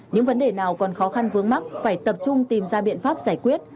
những vấn đề nào còn khó khăn vướng mắt phải tập trung tìm ra biện pháp giải quyết